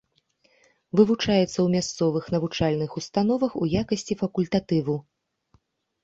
Вывучаецца ў мясцовых навучальных установах у якасці факультатыву.